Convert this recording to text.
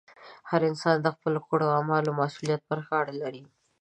هر انسان د خپلو کړو اعمالو مسؤلیت پر غاړه لري.